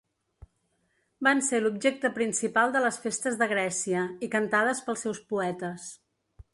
Van ser l'objecte principal de les festes de Grècia i cantades pels seus poetes.